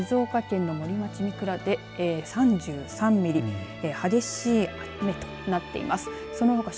静岡県の森町三倉で３３ミリ激しい雨となっています。